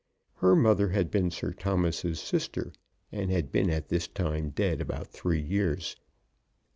Her mother had been Sir Thomas's sister, and had been at this time dead about three years.